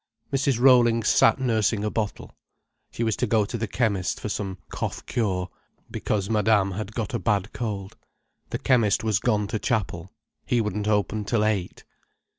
Mrs. Rollings sat nursing a bottle. She was to go to the chemist for some cough cure, because Madame had got a bad cold. The chemist was gone to Chapel—he wouldn't open till eight.